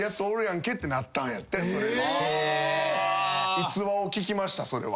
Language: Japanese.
逸話を聞きましたそれは。